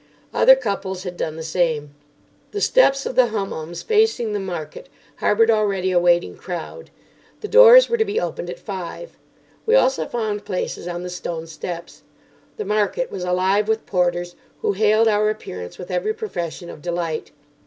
Other couples had done the same. The steps of the Hummums facing the market harboured already a waiting crowd. The doors were to be opened at five. We also found places on the stone steps. The market was alive with porters, who hailed our appearance with every profession of delight.